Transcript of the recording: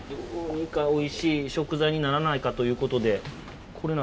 どうにかおいしい食材にならないかということで。